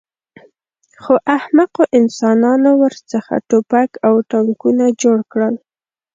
خو احمقو انسانانو ورڅخه ټوپک او ټانکونه جوړ کړل